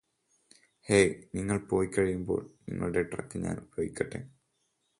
hey നിങ്ങള് പോയിക്കഴിയുമ്പോൾ നിങ്ങളുടെ ട്രക്ക് ഞാന് ഉപയോഗിക്കട്ടേ